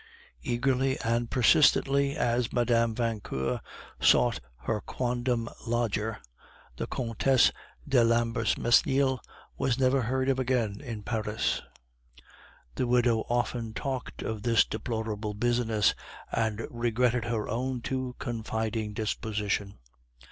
Eagerly and persistently as Mme. Vauquer sought her quondam lodger, the Comtesse de l'Ambermesnil was never heard of again in Paris. The widow often talked of this deplorable business, and regretted her own too confiding disposition.